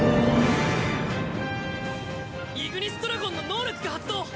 イグニスドラゴンの能力が発動。